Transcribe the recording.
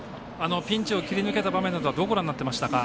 ピンチを切り抜けた場面はどうご覧になってましたか？